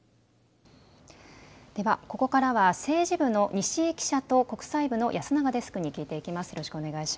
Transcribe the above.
ここからは政治部の西井記者と国際部の安永デスクに聞いていきます。